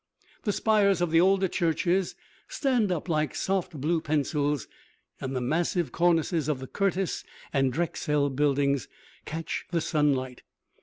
The spires of the older churches stand up like soft blue pencils, and the massive cornices of the Curtis and Drexel buildings catch the sunlight.